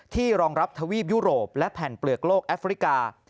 รองรับทวีปยุโรปและแผ่นเปลือกโลกแอฟริกา